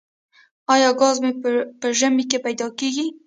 آیا ګاز په ژمي کې پیدا کیږي؟